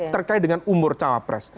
terkait dengan umur cawa pres